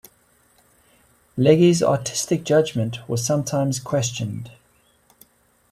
Legge's artistic judgment was sometimes questioned.